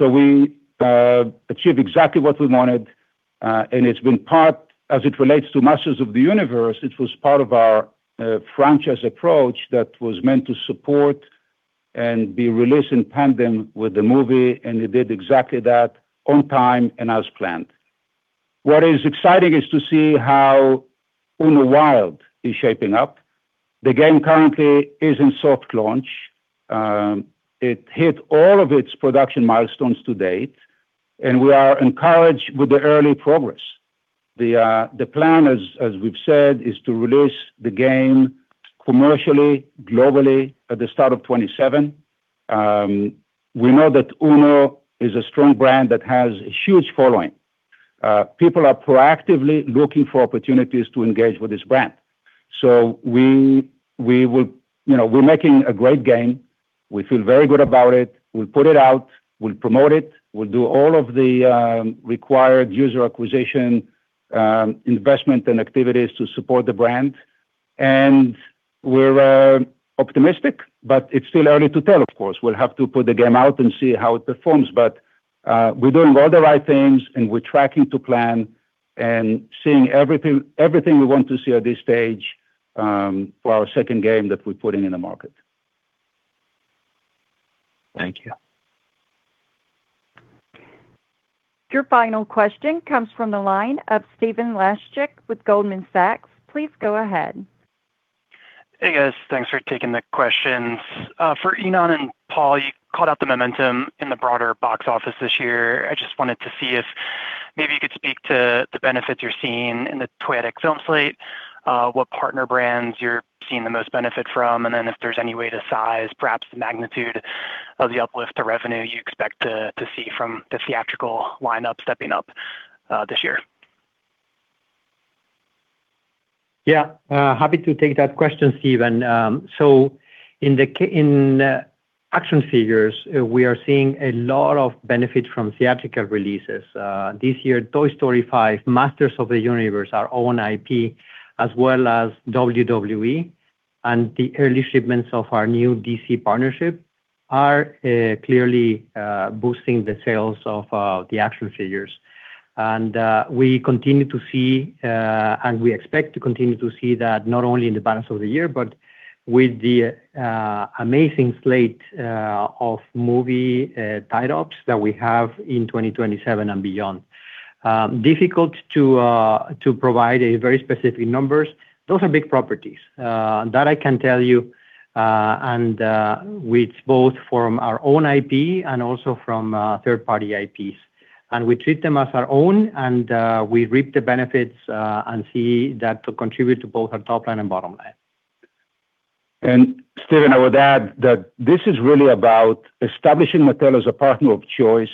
S3: We achieved exactly what we wanted, and it's been part as it relates to Masters of the Universe, it was part of our franchise approach that was meant to support Be released in tandem with the movie, and we did exactly that on time and as planned. What is exciting is to see how UNO WILD is shaping up. The game currently is in soft launch. It hit all of its production milestones to date, we are encouraged with the early progress. The plan, as we've said, is to release the game commercially, globally at the start of 2027. We know that UNO is a strong brand that has a huge following. People are proactively looking for opportunities to engage with this brand. We're making a great game. We feel very good about it. We'll put it out, we'll promote it, we'll do all of the required user acquisition, investment, and activities to support the brand. We're optimistic, but it's still early to tell, of course. We'll have to put the game out and see how it performs. We're doing all the right things and we're tracking to plan and seeing everything we want to see at this stage for our second game that we're putting in the market.
S14: Thank you.
S1: Your final question comes from the line of Stephen Laszczyk with Goldman Sachs. Please go ahead.
S15: Hey, guys. Thanks for taking the questions. For Ynon and Paul, you called out the momentum in the broader box office this year. I just wanted to see if maybe you could speak to the benefits you're seeing in the Toyetic film slate, what partner brands you're seeing the most benefit from, and then if there's any way to size perhaps the magnitude of the uplift to revenue you expect to see from the theatrical lineup stepping up this year.
S6: Yeah. Happy to take that question, Stephen. In action figures, we are seeing a lot of benefit from theatrical releases. This year, "Toy Story 5," "Masters of the Universe," our own IP, as well as WWE, and the early shipments of our new DC partnership are clearly boosting the sales of the action figures. We continue to see, and we expect to continue to see that not only in the balance of the year, but with the amazing slate of movie tie-ups that we have in 2027 and beyond. Difficult to provide very specific numbers. Those are big properties. That I can tell you, and with both from our own IP and also from third-party IPs. We treat them as our own, and we reap the benefits and see that to contribute to both our top line and bottom line.
S3: Stephen, I would add that this is really about establishing Mattel as a partner of choice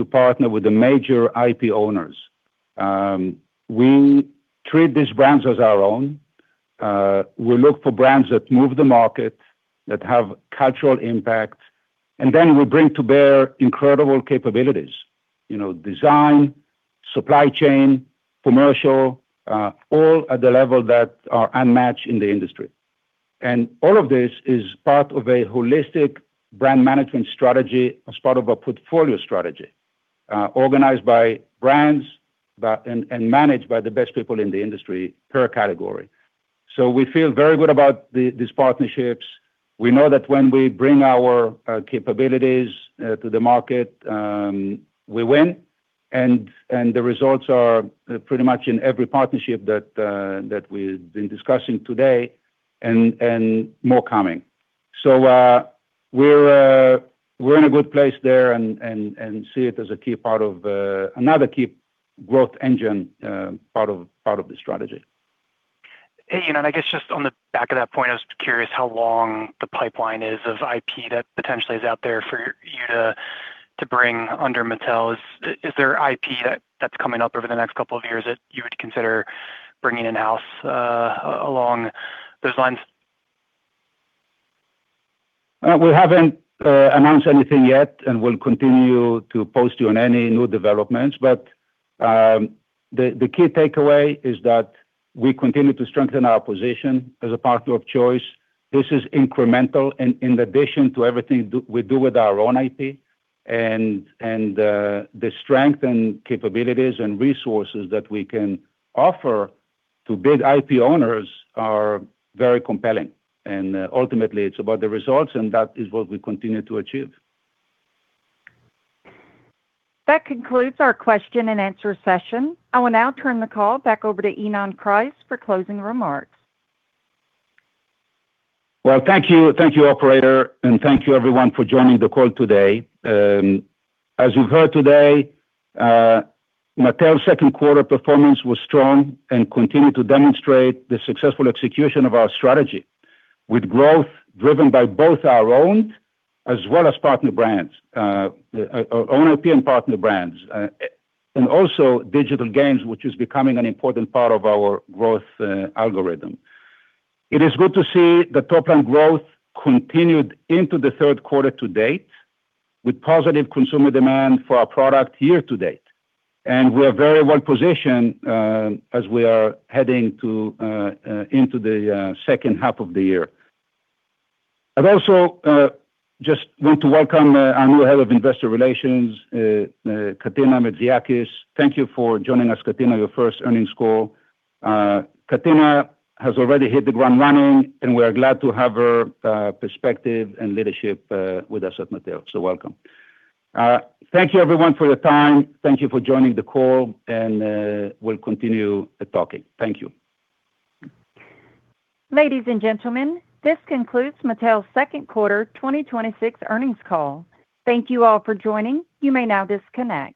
S3: to partner with the major IP owners. We treat these brands as our own. We look for brands that move the market, that have cultural impact, and then we bring to bear incredible capabilities. Design, supply chain, commercial, all at the level that are unmatched in the industry. All of this is part of a holistic brand management strategy as part of a portfolio strategy, organized by brands and managed by the best people in the industry per category. We feel very good about these partnerships. We know that when we bring our capabilities to the market, we win and the results are pretty much in every partnership that we've been discussing today and more coming. We're in a good place there and see it as another key growth engine part of the strategy.
S15: Hey, Ynon, I guess just on the back of that point, I was curious how long the pipeline is of IP that potentially is out there for you to bring under Mattel. Is there IP that's coming up over the next couple of years that you would consider bringing in-house along those lines?
S3: We haven't announced anything yet, and we'll continue to post you on any new developments. The key takeaway is that we continue to strengthen our position as a partner of choice. This is incremental and in addition to everything we do with our own IP and the strength and capabilities and resources that we can offer to big IP owners are very compelling. Ultimately, it's about the results, and that is what we continue to achieve.
S1: That concludes our question and answer session. I will now turn the call back over to Ynon Kreiz for closing remarks.
S3: Well, thank you. Thank you, operator, and thank you, everyone, for joining the call today. As you heard today, Mattel's second quarter performance was strong and continued to demonstrate the successful execution of our strategy with growth driven by both our own as well as partner brands. Our own IP and partner brands. Also digital games, which is becoming an important part of our growth algorithm. It is good to see the top line growth continued into the third quarter to date with positive consumer demand for our product year to date. We are very well positioned as we are heading into the second half of the year. I'd also just want to welcome our new head of investor relations, Katina Metzidakis. Thank you for joining us, Katina, your first earnings call. Katina has already hit the ground running, and we're glad to have her perspective and leadership with us at Mattel. Welcome. Thank you everyone for your time. Thank you for joining the call, and we'll continue talking. Thank you.
S1: Ladies and gentlemen, this concludes Mattel's second quarter 2026 earnings call. Thank you all for joining. You may now disconnect.